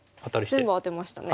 全部アテましたね。